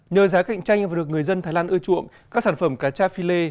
nhờ giá cạnh tranh và được người dân thái lan ưa chuộng các sản phẩm cà cha philê